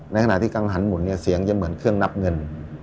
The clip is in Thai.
ในขณะที่กังหันหมุนเนี่ยเสียงจะเหมือนเครื่องนับเงิน